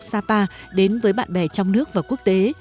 các dân tộc sapa đến với bạn bè trong nước và quốc tế